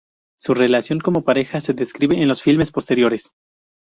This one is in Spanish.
Su relación como pareja se describe en los filmes posteriores.